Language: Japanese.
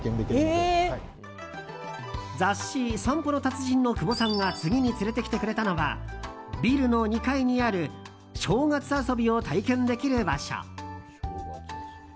雑誌「散歩の達人」の久保さんが次に連れてきてくれたのはビルの２階にある正月遊びを体験できる場所。